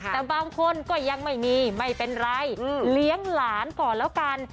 แต่บางคนก็ยังไม่มีไม่เป็นไรเลี้ยงหลานก่อนแล้วกัน